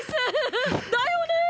だよねー！！